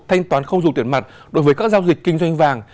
thanh toán không dùng tiền mặt đối với các giao dịch kinh doanh vàng